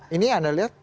ini anda lihat